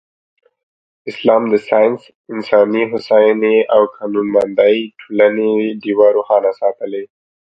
اسلام د ساینس، انساني هوساینې او قانونمندې ټولنې ډېوه روښانه ساتلې.